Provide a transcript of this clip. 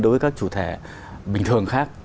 đối với các chủ thể bình thường khác